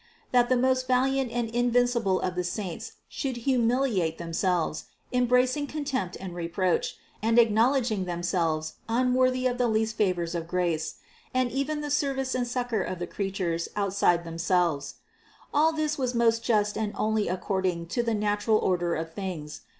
That the most valiant and invincible of the saints should humiliate them selves, embracing contempt and reproach, and acknowl edging themselves unworthy of the least favors of grace, and even of the service and succor of the creatures out side themselves; all this was most just and only accord ing to the natural order of things.